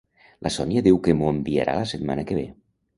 La Sònia diu que m'ho enviarà la setmana que ve